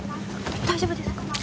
大丈夫ですか？